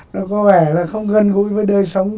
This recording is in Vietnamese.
nó có vẻ là không gần gũi với đời sống